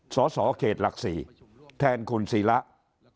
สอสอเขต๑๐๒แทนคุณศิลแล้ว